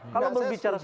kalau berbicara soal itu